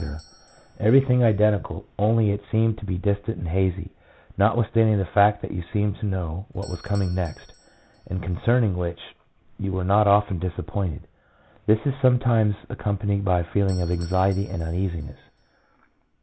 — everything identical, only it seemed to be distant and hazy, notwithstanding the fact that you seemed to know what was coming next, and concerning which you were not often disappointed. This is sometimes accompanied by a feeling of anxiety and uneasiness.